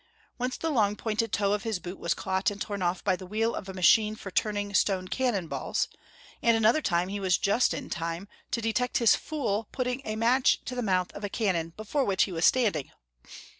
Once the long pointed toe of liis boot was caught and torn off by the wheel of a machine for turning stone cannon balls, and another tune he was just in time to de M.iSIMlLIAN AN"D ALBERT DURER. FHedrich III. 257 tect liis fool putting a match to the mouth of a cannon before which he was standing.